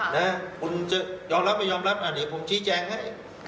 นะคุณจะยอมรับไม่ยอมรับเดี๋ยวผมชี้แจงให้